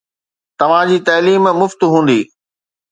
توهان جي تعليم مفت هوندي